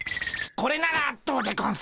これならどうでゴンス？